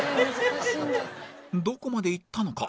どこまでいったのか？